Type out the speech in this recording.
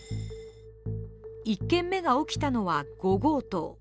１件目が起きたのは５号棟。